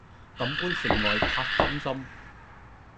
錦官城外柏森森